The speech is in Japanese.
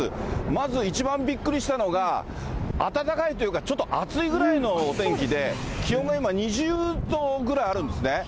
まず、一番びっくりしたのが、暖かいというか、ちょっと暑いぐらいのお天気で、気温も今、２０度ぐらいあるんですね。